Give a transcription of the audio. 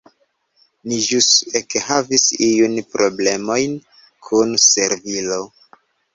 Ni ĵus ekhavis iujn problemojn kun servilo.